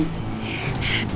bikin dia ningsih ya